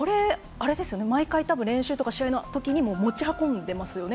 毎回、練習とか試合のときに持ち運んでますよね。